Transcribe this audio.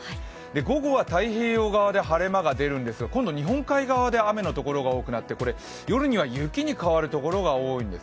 午後は太平洋側で晴れ間が出るんですが、今度は雨の所が多くなって、夜には雪に変わる所が多くなります。